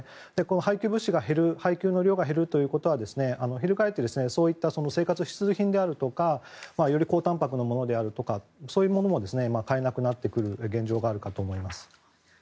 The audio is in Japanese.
配給物資が減る配給の量が減るということはひるがえって生活必需品であるとかより高たんぱくのものだとかがそういうものを買えなくなってくる現状があると思います。